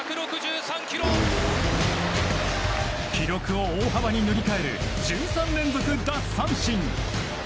記録を大幅に塗り替える１３連続奪三振。